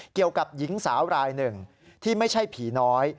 เกี่ยวกับหญิงสาวรายหนึ่งที่ไม่ใช่ผีน้อย